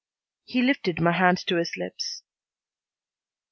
He lifted my hand to his lips.